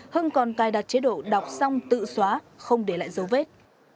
hưng còn cài đặt chế độ đọc xong tự xóa không để lại dấu vết